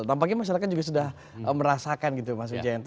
dampaknya masyarakat juga sudah merasakan gitu mas ujjain